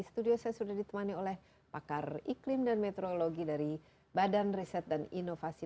studio saya sudah ditemani oleh pakar iklim dan meteorologi dari badan riset dan inovasi